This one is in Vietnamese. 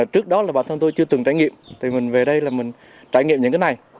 trước đó là bản thân tôi chưa từng trải nghiệm thì mình về đây là mình trải nghiệm những cái này